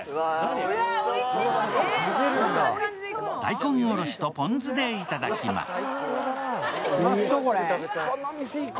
大根おろしとポン酢で頂きます。